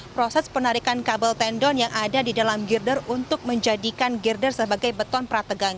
proses penarikan kabel tendon yang ada di dalam girder untuk menjadikan girder sebagai beton prategang